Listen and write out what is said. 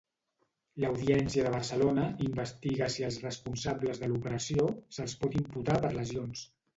L'Audiència de Barcelona investiga si als responsables de l'operació se'ls pot imputar per lesions.